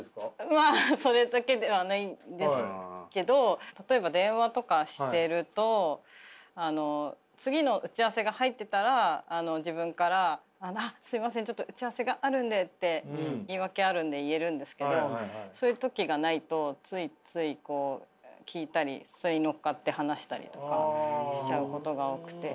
まあそれだけではないんですけど例えば電話とかしてると次の打ち合わせが入ってたら自分から「あっすいませんちょっと打ち合わせがあるんで」って言い訳あるんで言えるんですけどそういう時がないとついつい聞いたりそれに乗っかって話したりとかしちゃうことが多くて。